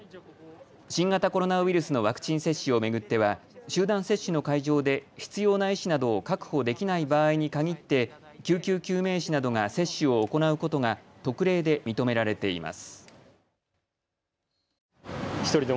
新型コロナウイルスのワクチン接種を巡っては集団接種の会場で必要な医師などを確保できない場合に限って救急救命士などが接種を行うことが特例で認められています。